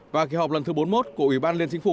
và kỳ họp lần thứ bốn mươi một của ủy ban liên chính phủ